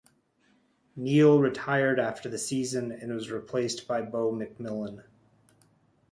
Neale retired after the season and was replaced by Bo McMillin.